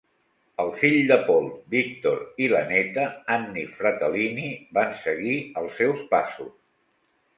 El fill de Paul, Victor, i la neta, Annie Fratellini, van seguir els seus passos.